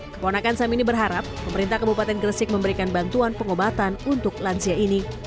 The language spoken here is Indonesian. keponakan samini berharap pemerintah kabupaten gresik memberikan bantuan pengobatan untuk lansia ini